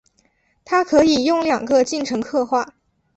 它可以用两个进程刻画。